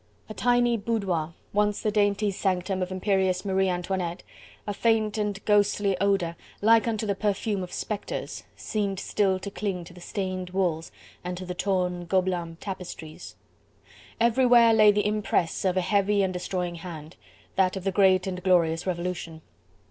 A tiny boudoir, once the dainty sanctum of imperious Marie Antoinette; a faint and ghostly odour, like unto the perfume of spectres, seemed still to cling to the stained walls, and to the torn Gobelin tapestries. Everywhere lay the impress of a heavy and destroying hand: that of the great and glorious Revolution.